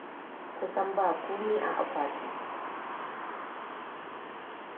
Kusan ba komi a akwatin.